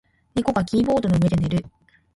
猫がキーボードの上で寝る。